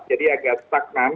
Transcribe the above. jadi agak stagnan